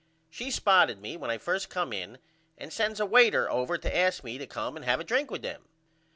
She spotted me when I first come in and sends a waiter over to ask me to come and have a drink with them.